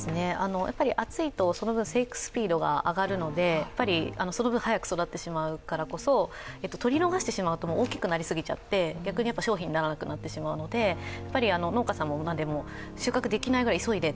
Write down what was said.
暑いとその分生育スピードが上がるので、その分早く育ってしまうからこそ取り逃してしまうと大きくなりすぎてしまって逆に商品にならなくなってしまうので、農家さんも収穫できないくらい急いで